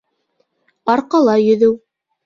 Арҡала йөҙөү